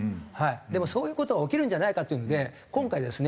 でもうそういう事が起きるんじゃないかっていうので今回ですね